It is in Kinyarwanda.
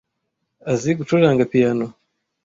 Azi gucuranga piyano.